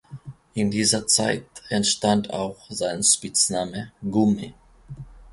In dieser Zeit entstand auch sein Spitzname „Gummi“.